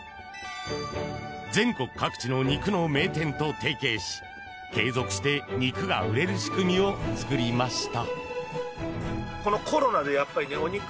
全国各地の肉の名店と提携し継続して肉が売れる仕組みを作りました。